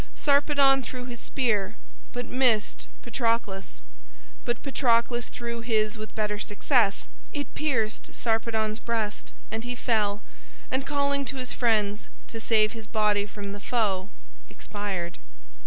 Sarpedon threw his spear, but missed Patroclus, but Patroclus threw his with better success. It pierced Sarpedon's breast and he fell, and, calling to his friends to save his body from the foe, expired.